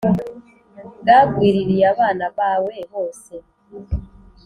bwagwiririye abana bawe bose